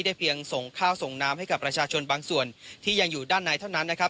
เพียงส่งข้าวส่งน้ำให้กับประชาชนบางส่วนที่ยังอยู่ด้านในเท่านั้นนะครับ